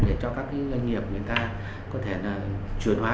để cho các cái doanh nghiệp người ta có thể là chuyển hóa dân